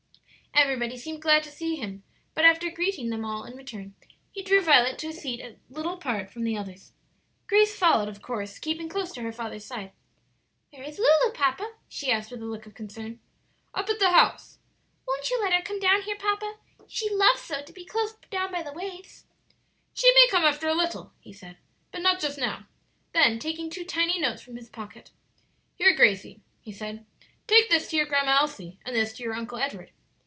Everybody seemed glad to see him; but after greeting them all in turn, he drew Violet to a seat a little apart from the others. Grace followed, of course, keeping close to her father's side. "Where is Lulu, papa?" she asked with a look of concern, "Up at the house." "Won't you let her come down here, papa? She loves so to be close down by the waves." "She may come after a little," he said, "but not just now." Then taking two tiny notes from his pocket: "Here, Gracie," he said, "take this to your Grandma Elsie and this to your Uncle Edward."